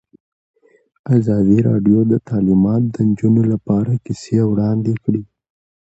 ازادي راډیو د تعلیمات د نجونو لپاره کیسې وړاندې کړي.